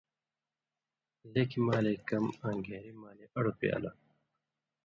لیٙکھیۡ مالے کم آں گھین٘ری مالے اڑوۡ پیالہ